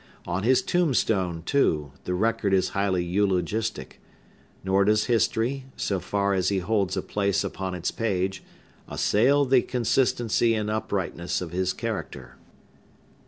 On his tombstone, too, the record is highly eulogistic; nor does history, so far as he holds a place upon its page, assail the consistency and uprightness of his character.